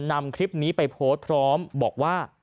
นำคลิปนี้ไปโพสต์พร้อมบอกว่า